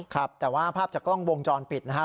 ครับแต่ว่าภาพจากกล้องวงจรปิดนะฮะ